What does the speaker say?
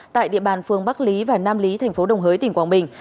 tại địa bàn phương bắc lý và nam lý tp đồng hới tỉnh quảng bình